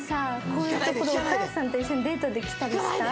こういう所お母さんと一緒にデートで来たりした？